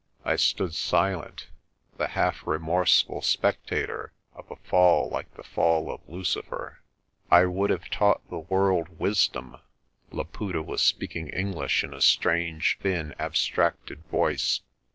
I stood silent, the half remorseful spectator of a fall like the fall of Lucifer. "I would have taught the world wisdom." Laputa was speaking English in a strange, thin, abstracted voice.